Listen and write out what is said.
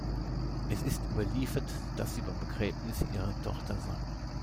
Es ist überliefert, dass sie beim Begräbnis ihrer Tochter sang.